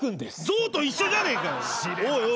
ぞうと一緒じゃねえかよ！